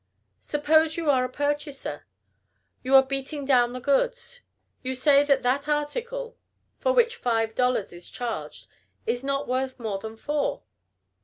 Suppose you are a purchaser. You are "beating down" the goods. You say that that article, for which five dollars is charged, is not worth more than four.